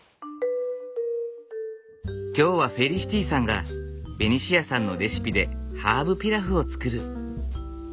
今日はフェリシティさんがベニシアさんのレシピでハーブピラフを作る。